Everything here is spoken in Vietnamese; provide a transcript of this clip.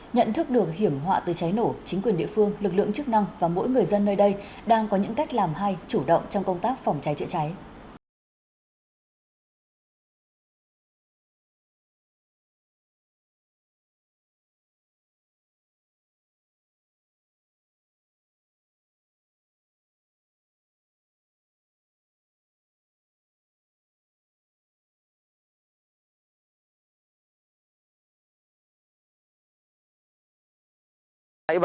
nhận thức được hiểm họa từ cháy nổ chính quyền địa phương lực lượng chức năng và mỗi người dân nơi đây đang có những cách làm hay chủ động trong công tác phòng cháy